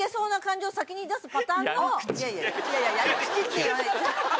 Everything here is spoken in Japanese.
いやいや「やり口」って言わないで。